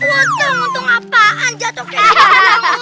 untung untung apaan jatuh kejauhan